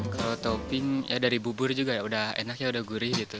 kalau topping ya dari bubur juga udah enak ya udah gurih gitu